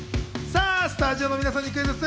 さあ、スタジオの皆さんにクイズッス！